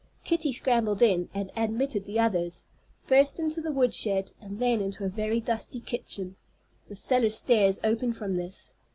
Kitty scrambled in, and admitted the others, first into the wood shed and then into a very dusty kitchen. The cellar stairs opened from this.